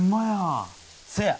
せや！